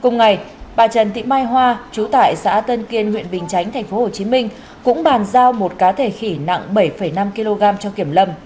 cùng ngày bà trần thị mai hoa chú tại xã tân kiên huyện bình chánh tp hcm cũng bàn giao một cá thể khỉ nặng bảy năm kg cho kiểm lâm